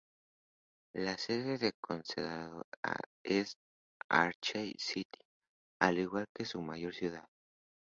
La sede del condado es Archer City, al igual que su mayor ciudad.